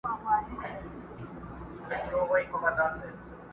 کله ټال کي د خیالونو زنګېدلای!.